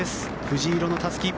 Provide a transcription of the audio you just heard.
藤色のたすき。